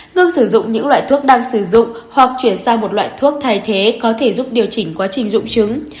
ngưng sử dụng những loại thuốc đang sử dụng hoặc chuyển sang một loại thuốc thay thế có thể giúp điều chỉnh quá trình dụng chứng